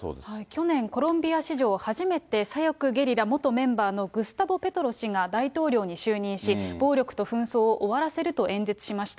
去年、コロンビア史上初めて左翼ゲリラ元メンバーのグスタボ・ペトロ氏が大統領に就任し、暴力と紛争を終わらせると演説しました。